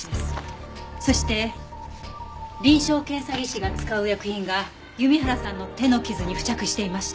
そして臨床検査技師が使う薬品が弓原さんの手の傷に付着していました。